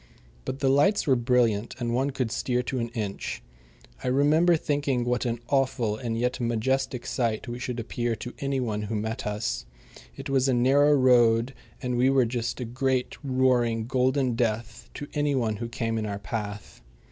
But the lights were brilliant, and one could steer to an inch. I remember thinking what an awful and yet majestic sight we should appear to any one who met us. It was a narrow road, and we were just a great, roaring, golden death to any one who came in our path.